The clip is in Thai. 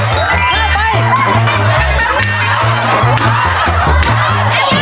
ไปไป